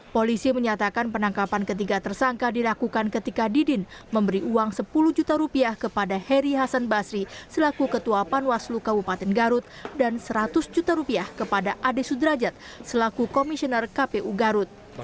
polisi menyatakan penangkapan ketiga tersangka dilakukan ketika didin memberi uang sepuluh juta rupiah kepada heri hasan basri selaku ketua panwaslu kabupaten garut dan seratus juta rupiah kepada ade sudrajat selaku komisioner kpu garut